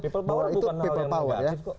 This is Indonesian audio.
people power bukan hal yang negatif kok